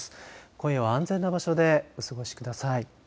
今夜は安全な場所でお過ごしください。